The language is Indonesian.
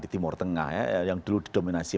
di timur tengah ya yang dulu didominasi